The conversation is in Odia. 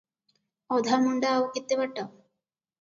ଅଧାମୁଣ୍ଡା ଆଉ କେତେ ବାଟ?